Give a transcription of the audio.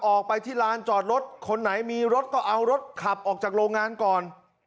ออกไปที่ลานจอดรถคนไหนมีรถก็เอารถขับออกจากโรงงานก่อน